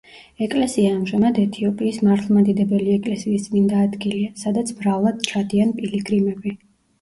ეკლესია ამჟამად ეთიოპიის მართლმადიდებელი ეკლესიის წმინდა ადგილია, სადაც მრავლად ჩადიან პილიგრიმები.